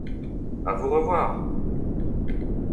A vous revoir!